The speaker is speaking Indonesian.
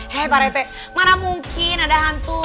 hei pak rete mana mungkin ada hantu